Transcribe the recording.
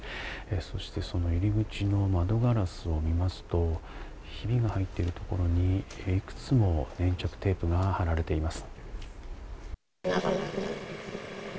そしてその入り口の窓ガラスを見ますと、ヒビが入っているところに、いくつもの粘着テープが張られています。